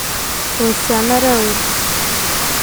Ur tesɛim ara ul.